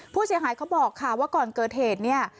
ผู้เสียหายเขาบอกว่าก่อนเกิดเหตุนี่